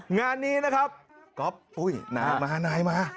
งานนี้นะครับอุ๊ยนายมา